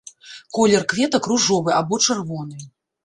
Колер кветак ружовы або чырвоны.